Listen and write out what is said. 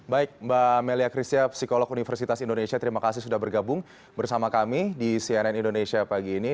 baik mbak melia kristia psikolog universitas indonesia terima kasih sudah bergabung bersama kami di cnn indonesia pagi ini